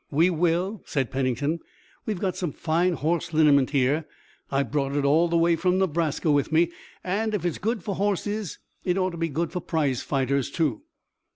"We will," said Pennington; "we've got some fine horse liniment here. I brought it all the way from Nebraska with me, and if it's good for horses it ought to be good for prize fighters, too.